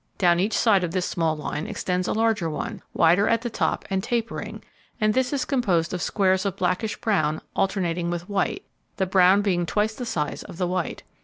Down each side of this small line extends a larger one, wider at the top and tapering, and this is composed of squares of blackish brown alternating with white, the brown being twice the size of the white.